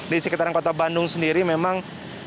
di sekitaran kota bandung sendiri memang